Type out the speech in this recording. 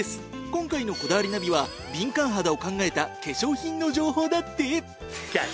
今回の『こだわりナビ』は敏感肌を考えた化粧品の情報だって。